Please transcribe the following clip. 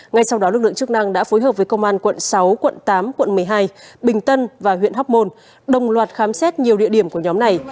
ngay sau đó lực lượng chức năng đã phối hợp với công an quận sáu quận tám quận một mươi hai bình tân và huyện hóc môn đồng loạt khám xét nhiều địa điểm của nhóm này